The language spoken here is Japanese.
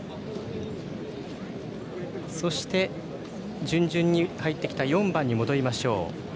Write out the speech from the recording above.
そして、準々に入ってきた４番に戻りましょう。